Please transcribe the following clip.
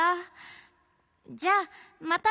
じゃあまたね。